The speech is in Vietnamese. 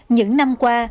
những năm qua